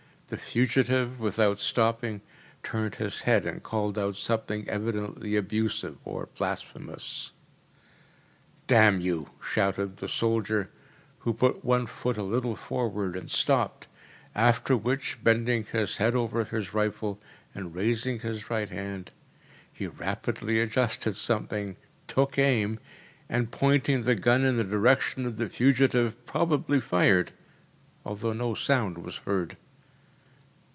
The fugitive, without stopping, turned his head and called out something evidently abusive or blasphemous. “Damn you!‚ÄĚ shouted the soldier, who put one foot a little forward and stopped, after which, bending his head over his rifle, and raising his right hand, he rapidly adjusted something, took aim, and, pointing the gun in the direction of the fugitive, probably fired, although no sound was heard.